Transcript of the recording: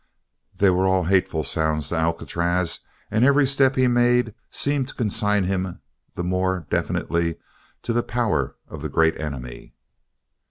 They were all hateful sounds to Alcatraz, and every step he made seemed to consign him the more definitely to the power of the Great Enemy.